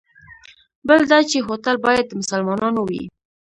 بل دا چې هوټل باید د مسلمانانو وي.